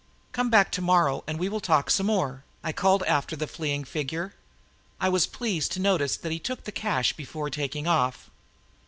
"Come back tomorrow and we will talk some more," I called after the fleeing figure. I was pleased to notice that he took the cash before taking off.